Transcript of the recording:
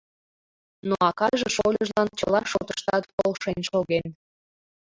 Но акаже шольыжлан чыла шотыштат полшен шоген.